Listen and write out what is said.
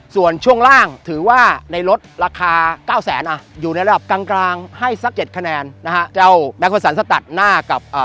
ส่วนช่วงล่างถือว่าในรถราคาเก้าแสนอ่ะอยู่ในระดับกลางกลางให้สักเจ็ดคะแนนนะฮะเจ้าแบงคอสันสตัดหน้ากับอ่า